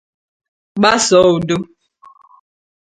gbaso udo.